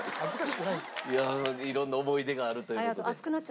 いや色んな思い出があるという事で。